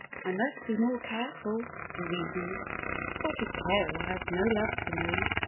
" I must be more careful," he reasoned. " Spotted Tail has no love for me."